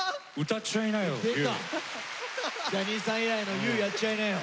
ジャニーさん以来の「Ｙｏｕやっちゃいなよ！」。